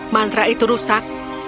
mantra itu rusak